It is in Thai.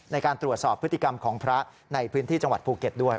ในการตรวจสอบพฤติกรรมของพระในพื้นที่จังหวัดภูเก็ตด้วย